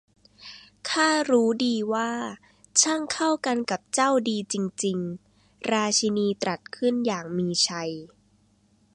'ข้ารู้ดีว่า ช่างเข้ากันกับเจ้าดีจริง ๆ ! ' ราชินีตรัสขึ้นอย่างมีชัย